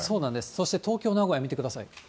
そして東京、名古屋、見てください。